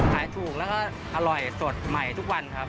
ขายถูกแล้วก็อร่อยสดใหม่ทุกวันครับ